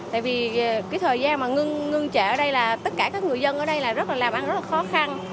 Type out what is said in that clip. tại vì cái thời gian mà ngưng ngưng trệ ở đây là tất cả các người dân ở đây là rất là làm ăn rất là khó khăn